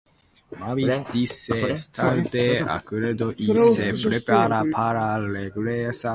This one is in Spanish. Mavis dice estar de acuerdo y se prepara para regresar a Minneapolis.